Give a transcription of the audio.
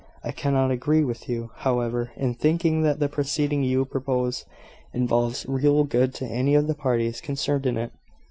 I cannot agree with you, however, in thinking that the proceeding you propose involves real good to any of the parties concerned in it.